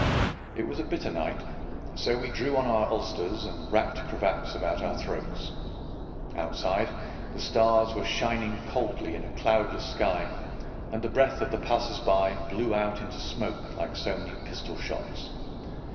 It was a bitter night, so we drew on our ulsters and wrapped cravats about our throats. Outside, the stars were shining coldly in a cloudless sky, and the breath of the passers by blew out into smoke like so many pistol shots.